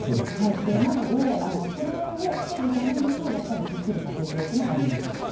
なので、それを防ぐためにもやっぱりすっきりさせておくのがいいんです。